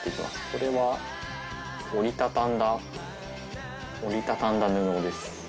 これは折り畳んだ折り畳んだ布です。